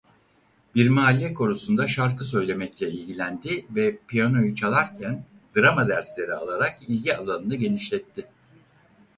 Bir mahalle korusunda şarkı söylemekle ilgilendi ve piyanoyu çalarken drama dersleri alarak ilgi alanını genişletti.